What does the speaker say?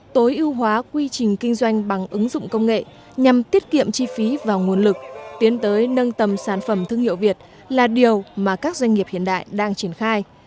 tối ưu hóa quy trình kinh doanh bằng ứng dụng công nghệ nhằm tiết kiệm chi phí và nguồn lực tiến tới nâng tầm sản phẩm thương hiệu việt là điều mà các doanh nghiệp hiện đại đang triển khai